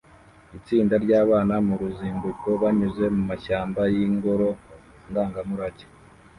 Itsinda ryabana mu ruzinduko banyuze mu mashyamba y’ingoro ndangamurage